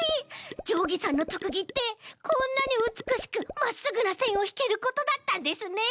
じょうぎさんのとくぎってこんなにうつくしくまっすぐなせんをひけることだったんですね！